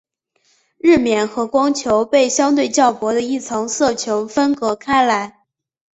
日冕和光球被相对较薄的一层色球分隔开来。